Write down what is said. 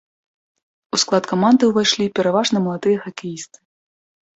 У склад каманды ўвайшлі пераважна маладыя хакеісты.